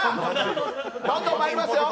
どんどんまいりますよ。